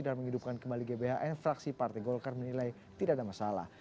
dan menghidupkan kembali gbhn fraksi partai golkar menilai tidak ada masalah